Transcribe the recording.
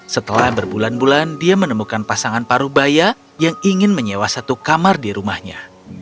setelah berbulan bulan dia menemukan pasangan paruh baya yang ingin menyewa satu kamar di rumahnya